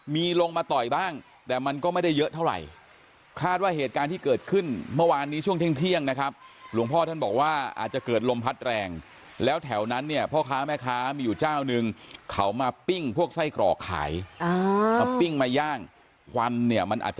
มีลงมาต่อยบ้างแต่มันก็ไม่ได้เยอะเท่าไรคาดว่าเหตุการณ์ที่เกิดขึ้นเมื่อวานนี้ช่วงเท